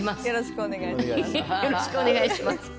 よろしくお願いします。